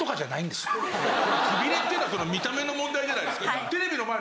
くびれっていうのは見た目の問題じゃないですか。